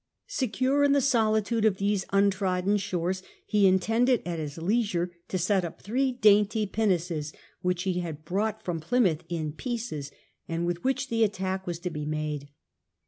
Secure in the solitude of these imtrodden shores, he intended at his leisure to set up three dainty pinnaces which he had brought from Plymouth in pieces, and with which the attack was to be made.